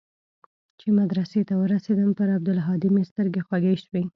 چې مدرسې ته ورسېدم پر عبدالهادي مې سترګې خوږې سوې.